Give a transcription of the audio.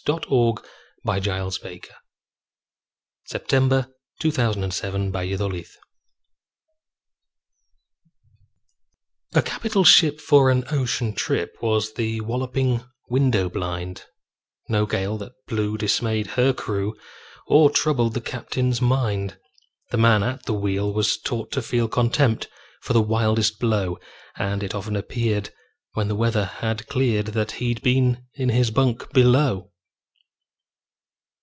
K L . M N . O P . Q R . S T . U V . W X . Y Z A Nautical Ballad A CAPITAL ship for an ocean trip Was The Walloping Window blind No gale that blew dismayed her crew Or troubled the captain's mind. The man at the wheel was taught to feel Contempt for the wildest blow, And it often appeared, when the weather had cleared, That he'd been in his bunk below.